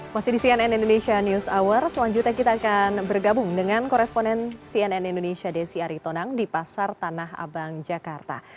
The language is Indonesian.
masih di cnn indonesia news hour selanjutnya kita akan bergabung dengan koresponen cnn indonesia desi aritonang di pasar tanah abang jakarta